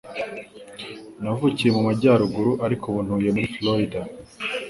Navukiye mu majyaruguru, ariko ubu ntuye muri Floride.